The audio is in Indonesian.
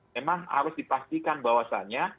memang harus dipastikan bahwasannya